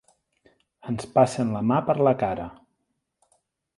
Ens passen la mà per la cara!